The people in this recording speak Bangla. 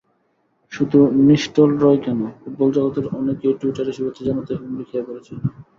শুধু নিস্টলরয় কেন, ফুটবল জগতের অনেকেই টুইটারে শুভেচ্ছা জানাতে হুমড়ি খেয়ে পড়েছিলেন।